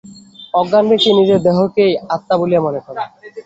অজ্ঞান ব্যক্তি নিজের দেহকেই আত্মা বলিয়া মনে করে।